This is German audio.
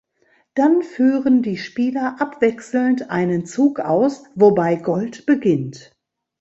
Dann führen die Spieler abwechselnd einen Zug aus, wobei Gold beginnt.